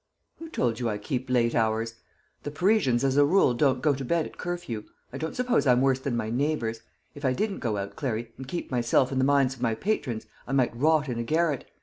"Who told you I keep late hours? The Parisians, as a rule, don't go to bed at curfew. I don't suppose I'm worse than my neighbours. If I didn't go out, Clary, and keep myself in the minds of my patrons, I might rot in a garret.